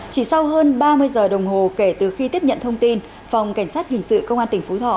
chỉ sau hơn ba mươi giờ đồng hồ kể từ khi tiếp nhận thông tin phòng cảnh sát hình sự công an tỉnh phú thọ